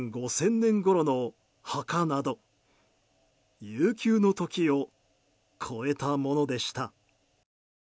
５０００年ごろの墓など悠久の時を越えたものでした。